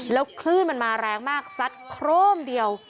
แล้วข้ืนมาแรงมากซักโครงเดียว